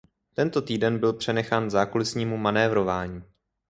Tento týden byl přenechán zákulisnímu manévrování.